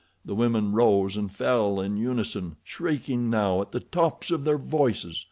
The women rose and fell in unison, shrieking now at the tops of their voices.